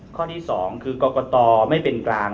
ข้อที่๒คือกรกตไม่เป็นกลาง